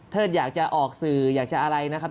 อยากจะออกสื่ออยากจะอะไรนะครับ